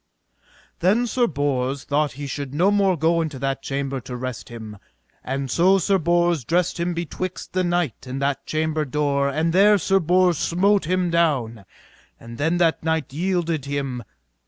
Then Sir Bors thought he should no more go into that chamber to rest him, and so Sir Bors dressed him betwixt the knight and that chamber door, and there Sir Bors smote him down, and then that knight yielded him.